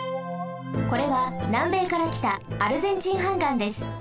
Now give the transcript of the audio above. これはなんべいからきたアルゼンチン斑岩です。